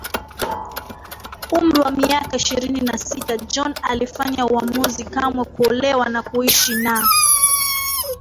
umri wa miaka ishirini na sita John alifanya uamuzi kamwe kuolewa na kuishi na